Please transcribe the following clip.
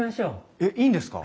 えっいいんですか？